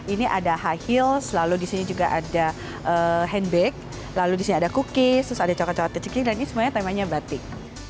ini ada high heels lalu di sini juga ada handbag lalu di sini ada cookies terus ada coklat coklatnya cikini dan ini semuanya temanya batik